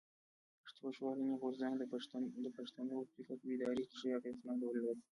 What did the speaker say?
پښتون ژغورني غورځنګ د پښتنو په فکري بيداري کښي اغېزمن رول لري.